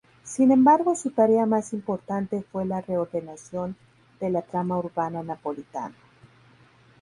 Sin embargo su tarea más importante fue la reordenación de la trama urbana napolitana.